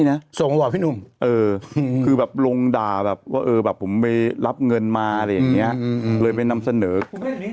โหเติมตังค์กระทิงมาก